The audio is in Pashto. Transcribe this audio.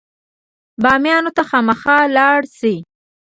بامیان ته خامخا لاړ شئ.